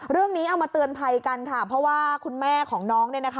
เรื่องนี้เอามาเตือนภัยกันค่ะเพราะว่าคุณแม่ของน้อง